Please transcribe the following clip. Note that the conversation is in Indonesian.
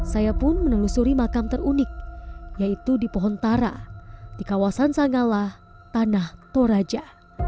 saya pun menelusuri makam terunik yaitu di pohon tara di kawasan sangala tanah toraja